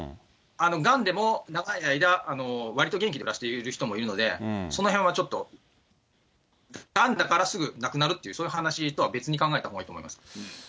がんでも、長い間、わりと元気で暮らしている人もいるので、そのへんはちょっと、がんだからすぐ亡くなるっていう、そういう話とは別に考えたほうがいいと思います。